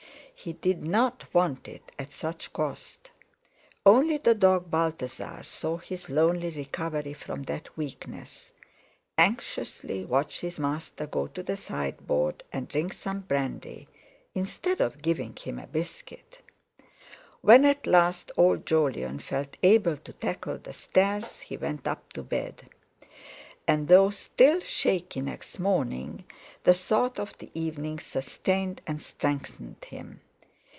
He did not want it at such cost. Only the dog Balthasar saw his lonely recovery from that weakness; anxiously watched his master go to the sideboard and drink some brandy, instead of giving him a biscuit. When at last old Jolyon felt able to tackle the stairs he went up to bed. And, though still shaky next morning, the thought of the evening sustained and strengthened him.